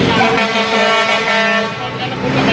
เเบี้ยอะไร